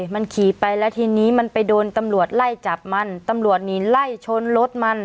มันขี่ไปแล้วทีนี้มันไปโดนตำรวจไล่จับมันตำรวจนี่ไล่ชนรถมัน